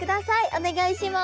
お願いします。